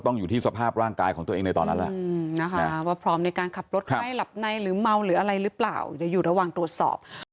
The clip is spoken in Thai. ต้องขับรถในระยะทางที่กฎหมายกำหนดนะครับ